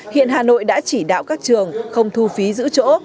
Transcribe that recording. hiện hà nội đã chỉ đạo các trường không thu phí giữ chỗ